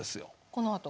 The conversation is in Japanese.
このあと？